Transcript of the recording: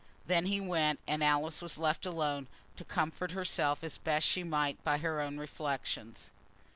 Then he went, and Alice was left alone, to comfort herself as best she might by her own reflections.